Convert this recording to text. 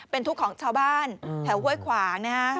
เป็นทุกของชาวบ้านแถวห้วยขวาง